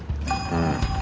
うん。